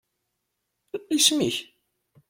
Isem-ik?